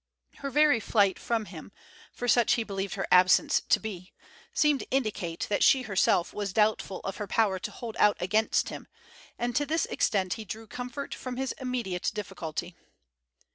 Her very flight from him, for such he believed her absence to be, seemed to indicate that she herself was doubtful of her power to hold out against him, and to this extent he drew comfort from his immediate difficulty.